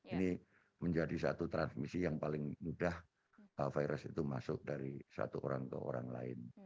ini menjadi satu transmisi yang paling mudah virus itu masuk dari satu orang ke orang lain